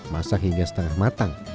masak hingga setengah matang